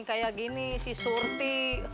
kayak gini si surti